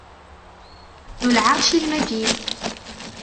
ذو العرش المجيد